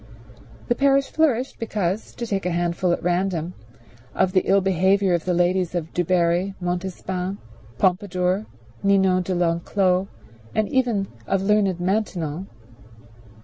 The parish flourished because, to take a handful at random, of the ill behavior of the ladies Du Barri, Montespan, Pompadour, Ninon de l'Enclos, and even of learned Maintenon.